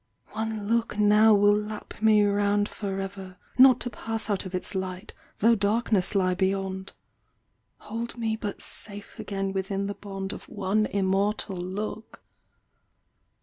One look now Will lap me round forever, not to pass Out of its light, though darkness lie beyond: Hold me but safe again within the bond Of one immortal look!